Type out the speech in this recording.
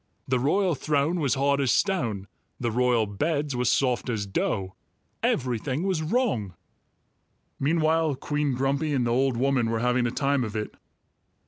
The royal throne was hard as stone; the royal beds were soft as dough; everything was wrong." Meanwhile Queen Grumpy and the old woman were having a time of it.